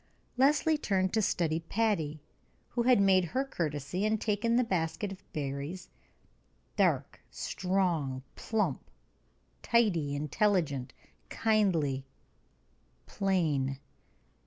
Leslie turned to study Patty, who had made her courtesy and taken the basket of berries dark, strong, plump, tidy, intelligent, kindly, plain.